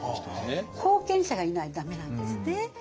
後見者がいないと駄目なんですね。